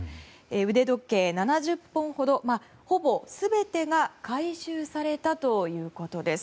腕時計７０本ほどほぼ全てが回収されたということです。